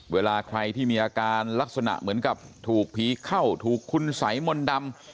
เวลาใครที่มีอาการลักษณะเหมือนกับถูกผีเข้าถูกคุณสัยมนต์ดำ